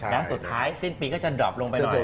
แล้วสุดท้ายสิ้นปีก็จะดรอปลงไปเลย